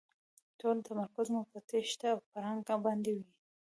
ټول تمرکز مو په تېښته او پړانګ باندې وي.